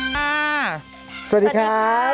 ไทยการเดินทาง